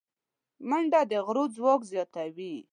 منډه د غړو ځواک زیاتوي